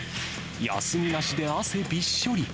休みなしで汗びっしょり。